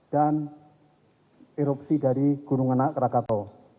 dan erupsi dari gunung anak krakatoa